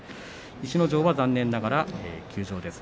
逸ノ城は残念ながら休場です。